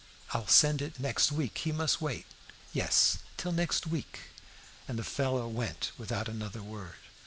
I will send next week; he must wait; yes, till next week." And the fellow went without another word.